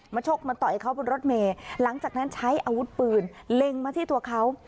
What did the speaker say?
ชกมาต่อยเขาบนรถเมย์หลังจากนั้นใช้อาวุธปืนเล็งมาที่ตัวเขา